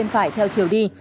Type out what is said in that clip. lên phải theo chiều đi